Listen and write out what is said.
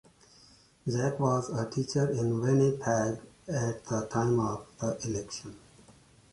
Zack was a teacher in Winnipeg at the time of the election.